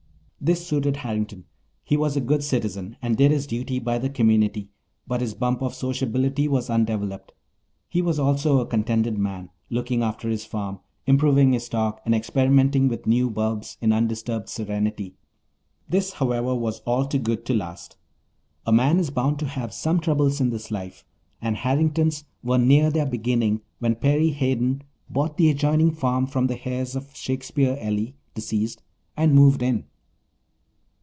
This suited Harrington. He was a good citizen and did his duty by the community, but his bump of sociability was undeveloped. He was also a contented man, looking after his farm, improving his stock, and experimenting with new bulbs in undisturbed serenity. This, however, was all too good to last. A man is bound to have some troubles in this life, and Harrington's were near their beginning when Perry Hayden bought the adjoining farm from the heirs of Shakespeare Ely, deceased, and moved in.